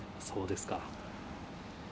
そうですか。